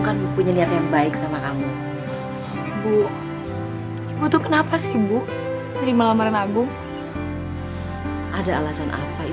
kau takkan terganti